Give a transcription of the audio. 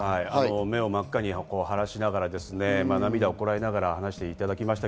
目を真っ赤にはらしながら、涙をこらえながら話していただきました。